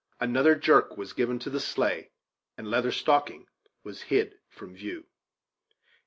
Another jerk was given to the sleigh, and Leather Stocking was hid from view.